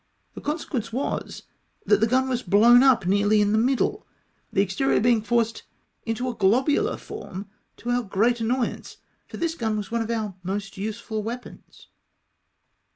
The con sequence was, that the gun was blown up nearly in the middle, the exterior being forced into a globular form — to our great annoyance, for this gun was one of our most useful weapons.